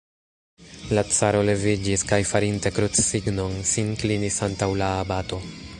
La caro leviĝis kaj, farinte krucsignon, sin klinis antaŭ la abato.